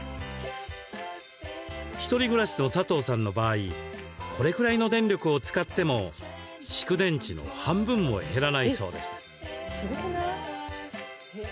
１人暮らしのサトウさんの場合これくらいの電力を使っても蓄電池の半分も減らないそうです。